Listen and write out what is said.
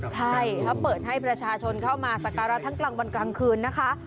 ใช่เขาเปิดให้ประชาชนเข้ามาสการะทั้งกลางวันกลางคืนนะคะ